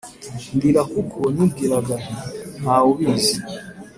ndira kuko nibwiraga nti ‘Nta wubizi